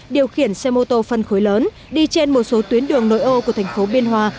điều khiển xe mô tô phân khối lớn đi trên một số tuyến đường nội ô của thành phố biên hòa